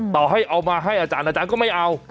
ต่อให้เอามาให้อาจารย์อาจารย์ก็ไม่เอา